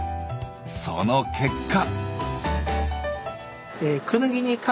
その結果。